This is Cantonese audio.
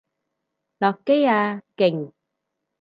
落機啊！勁！